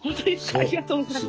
ありがとうございます。